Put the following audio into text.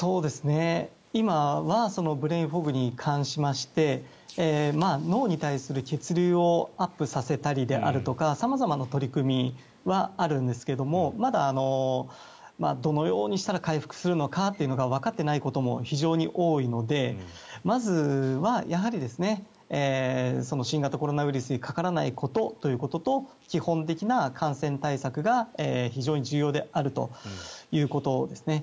今はブレインフォグに関しまして脳に対する血流をアップさせたりであるとか様々な取り組みはあるんですがまだどのようにしたら回復するのかというのがわかっていないことも非常に多いのでまずはやはり新型コロナウイルスにかからないことということと基本的な感染対策が非常に重要であるということですね。